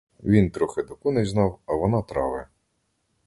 Він трохи до коней знав, а вона трави.